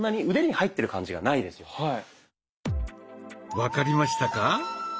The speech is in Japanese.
分かりましたか？